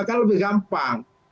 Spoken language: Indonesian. kan lebih gampang